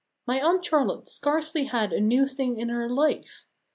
My Aunt Charlotte scarcely had a new thing in her life.